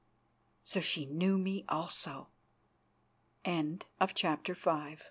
_" So she knew me also. CHAPTER VI